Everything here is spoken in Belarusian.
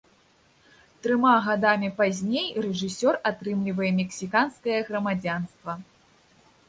Трыма гадамі пазней рэжысёр атрымлівае мексіканскае грамадзянства.